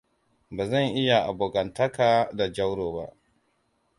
Bazan iya abonkantaka da Jauro ba.